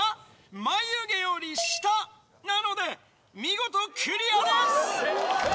眉毛より下なので見事クリアです！